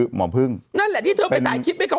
หมอพึ่งเป็นนั่นแหละที่เธอไปตายคิดไม่เข้า